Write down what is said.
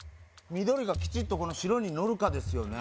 緑がきちっとこの白にのるかですよね